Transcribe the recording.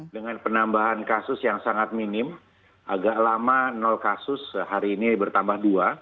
dengan penambahan kasus yang sangat minim agak lama kasus hari ini bertambah dua